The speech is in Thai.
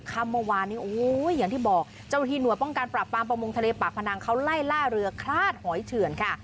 เมื่อวานนี้โอ้โหอย่างที่บอกเจ้าหน้าที่หน่วยป้องกันปราบปรามประมงทะเลปากพนังเขาไล่ล่าเรือคลาดหอยเถื่อนค่ะ